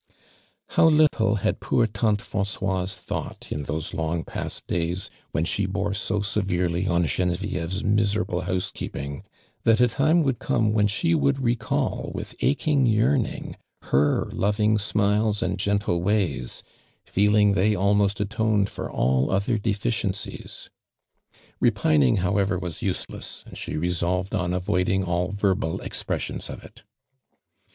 How little had poor /a)i/r Francoisc thought in those long past days when she l)orH so severely on (lonevieve's misenil)l(> house keeping, that a time would conic when she would recall witli aching yearning her lov ing smiles and gentle ways, feeling they al most atoned for all other dcKciencics, ]{(». pining however was useless, and she resolv ed on avoiding all verbal expressions of it.